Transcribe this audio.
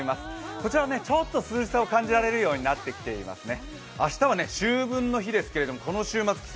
こちらはちょっと涼しさを感じられるようになってきてますね。